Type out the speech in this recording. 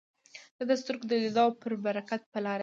نه د سترګو د لیدلو او پر برکت په لاره ځي.